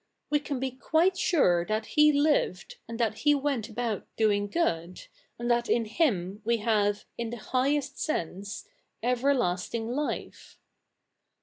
We ca?i be quite sure that lie lived, and that He weJit about doing good., and that ifi Him we have, in the highest sense, ever lasti?ig life.